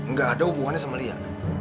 nggak ada hubungannya sama dia